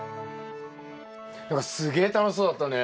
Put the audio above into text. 何かすげえ楽しそうだったね。